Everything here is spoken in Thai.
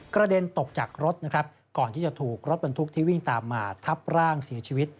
กระเด็นตกจากรถนะครับก่อนที่จะถูกรถบรรทุกที่วิ่งตามมาทับร่างเสียชีวิต